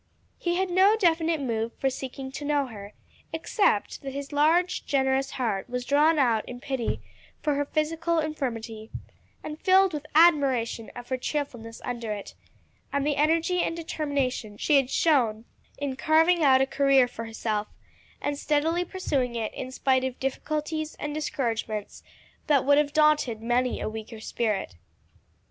He had no definite motive for seeking to know her, except that his large, generous heart was drawn out in pity for her physical infirmity, and filled with admiration of her cheerfulness under it, and the energy and determination she had shown in carving out a career for herself, and steadily pursuing it spite of difficulties and discouragements that would have daunted many a weaker spirit.